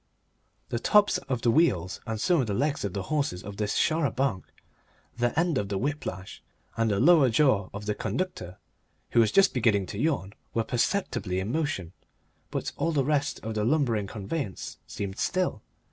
The tops of the wheels and some of the legs of the horses of this char a banc, the end of the whip lash and the lower jaw of the conductor who was just beginning to yawn were perceptibly in motion, but all the rest of the lumbering conveyance seemed still.